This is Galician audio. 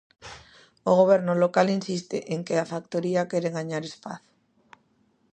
O Goberno local insiste en que a factoría quere gañar espazo.